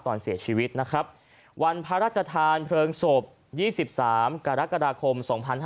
ตอนเสียชีวิตนะครับวันพระราชทานเพลิงศพ๒๓กรกฎาคม๒๕๕๙